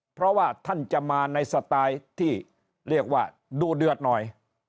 เพราะว่าท่านจะมาในสไตล์ที่เรียกว่าดูเดือดหน่อย